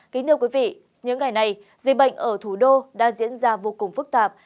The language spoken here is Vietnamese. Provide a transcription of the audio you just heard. kính thưa quý vị những ngày này dịch bệnh ở thủ đô đã diễn ra vô cùng phức tạp